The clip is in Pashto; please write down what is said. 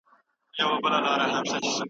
د عوامو مجلس څنګه پریکړي کوي؟